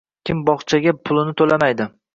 Kim bog‘cha pulini to‘lamaydi?